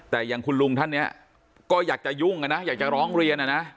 แต่อย่างคุณลุงท่านเนี่ยก็อยากจะยุ่งนะอยากจะร้องเรียนนะ